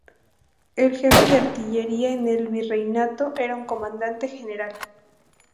El jefe de artillería en el virreinato era un comandante general.